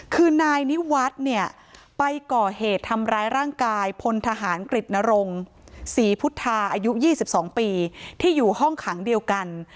คือนายนิวัฒน์เนี่ยไปก่อเหตุทำร้ายร่างกายพลทหารกฤตนรงศรีพุทธาอายุ๒๒ปีที่อยู่ห้องขังเดียวกัน